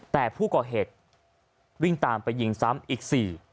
แต่ผู้ก่อเหตุวิ่งตามไปยิงซ้ำอีก๔